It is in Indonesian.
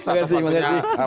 terima kasih terima kasih